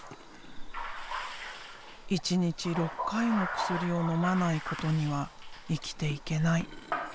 １日６回の薬をのまないことには生きていけない。